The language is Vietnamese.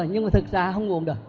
nhưng mà thực ra không uống được